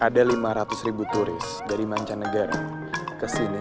ada lima ratus ribu turis dari mancanegara kesini